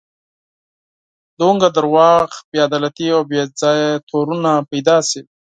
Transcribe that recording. دومره دروغ، بې عدالتي او بې ځایه تورونه پیدا شي.